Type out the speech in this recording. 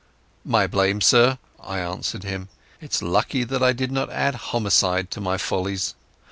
"My blame, sir," I answered him. "It's lucky that I did not add homicide to my follies.